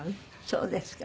そうですか。